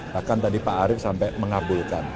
bahkan tadi pak arief sampai mengabulkan